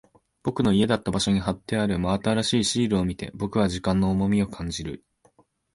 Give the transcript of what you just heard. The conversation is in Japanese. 僕の家だった場所に貼ってある真新しいシールを見て、僕は時間の重みを感じる。